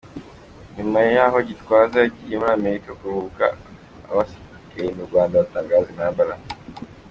Nyuma yaho Gitwaza yagiye muri Amerika kuruhuka, abasigaye mu Rwanda batangiza intambara.